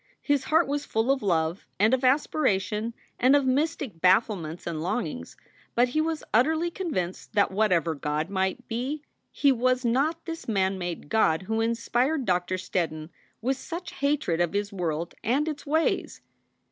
His heart was full of love and of aspiration and of mystic bafflements and longings, but he was utterly convinced that whatever God might be, He was not this man made God who inspired Doctor Steddon with such hatred of His world and its ways.